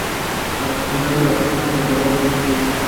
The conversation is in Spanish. A la presenta fecha, una temporada fue emitida.